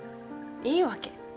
いいわけ。